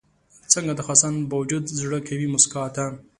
څنګه د خزان باوجود زړه کوي موسکا ته؟